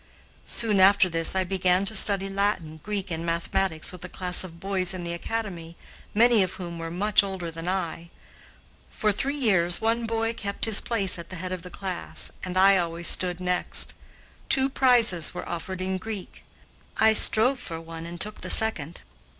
Soon after this I began to study Latin, Greek, and mathematics with a class of boys in the Academy, many of whom were much older than I. For three years one boy kept his place at the head of the class, and I always stood next. Two prizes were offered in Greek. I strove for one and took the second.